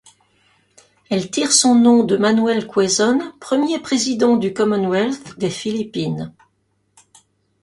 Elle tire son nom de Manuel Quezón, premier président du Commonwealth des Philippines.